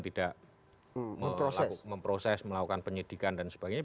tidak memproses melakukan penyidikan dan sebagainya